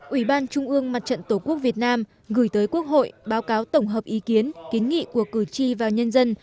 ủy ban trung ương mặt trận tổ quốc việt nam gửi tới quốc hội báo cáo tổng hợp ý kiến kiến nghị của cử tri và nhân dân